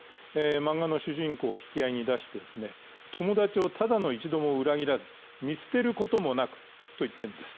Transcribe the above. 漫画の主人公を引き合いに出して友達をただの一度も裏切らず、見捨てることもなく、と言っているんです。